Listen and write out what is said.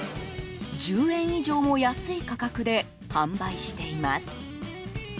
１０円以上も安い価格で販売しています。